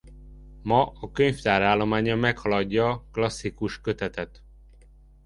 Ma a könyvtár állománya meghaladja klasszikus kötetet.